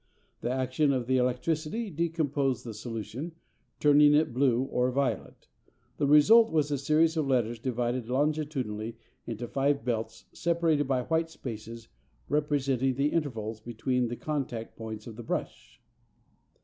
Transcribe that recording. The action of the electricity decomposed the solution, turning it blue or violet. The result was a series of letters divided longitudinally into five belts separated by white spaces representing the intervals between the contact points of the brush.